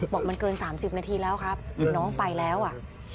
บอกมันเกิน๓๐นาทีแล้วครับน้องไปแล้วอ่ะ